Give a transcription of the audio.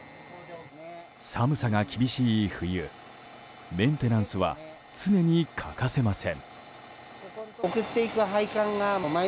寒さが厳しい冬、メンテナンスは常に欠かせません。